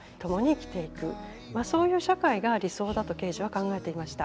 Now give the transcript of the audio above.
まあそういう社会が理想だとケージは考えていました。